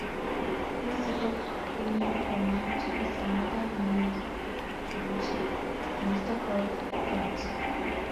His second-in-command is another Ninjutsu master called Tatsu.